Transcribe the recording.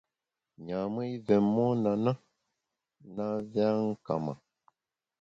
Nyam-ùe i vé mon a na, na vé a nka ma.